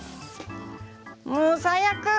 もう最悪。